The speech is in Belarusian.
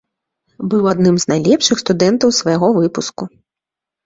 Быў адным з найлепшых студэнтаў свайго выпуску.